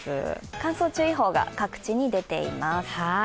乾燥注意報が各地に出ています。